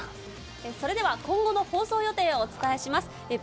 今後の放送予定をお伝えします。